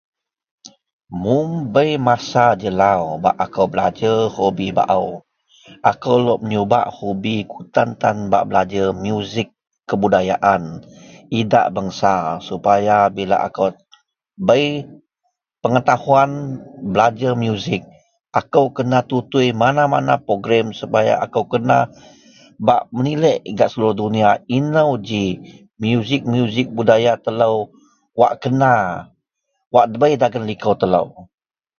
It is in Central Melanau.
Mun bei masa jelau bak akou belajer hobi baao, akou lok menyubak hobi kutantan bak belajer musik kebudayaan idak bangsa sepaya bila akou bei pengetahuan belajer musik, akou kena tutui mana-mana program sepaya akou kena bak menilek gak seluruh dunia inou ji musik-musik budaya telou wak kena wak debei dagen likou telou.